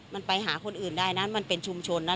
มันไปหาคนอื่นได้นะมันเป็นชุมชนนะ